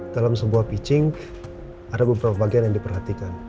dalam sebuah pitching ada beberapa bagian yang diperhatikan